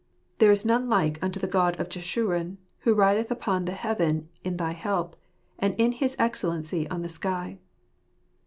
" There is none like unto the God of Jeshurun, who rideth upon the heaven in thy help, and in his excellency on the sky."